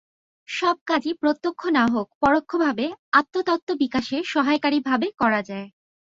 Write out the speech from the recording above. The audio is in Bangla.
সব কাজই প্রত্যক্ষ না হোক, পরোক্ষভাবে আত্মতত্ত্ব-বিকাশের সহায়কারী ভাবে করা যায়।